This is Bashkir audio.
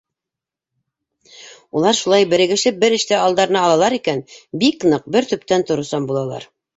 Улар шулай берегешеп бер эште алдарына алалар икән, бик ныҡ, бер төптән тороусан булалар.